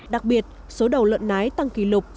đặc biệt số đầu lợn nái tăng kỷ lục